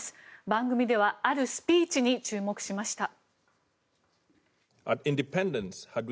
番組ではあるスピーチに注目しました。